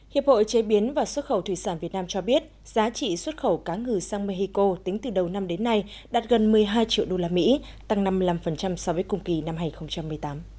hiệp hội chế biến và xuất khẩu thủy sản việt nam cho biết giá trị xuất khẩu cá ngừ sang mexico tính từ đầu năm đến nay đạt gần một mươi hai triệu usd tăng năm mươi năm so với cùng kỳ năm hai nghìn một mươi tám